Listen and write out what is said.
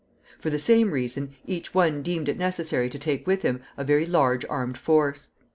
For the same reason, each one deemed it necessary to take with him a very large armed force.